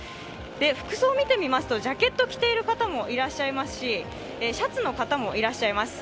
服装を見てみますとジャケットを着ている方もいらっしゃいますしシャツの方もいらっしゃいます。